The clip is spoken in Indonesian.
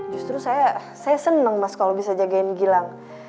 justru saya saya seneng mas kalau bisa jagain gilang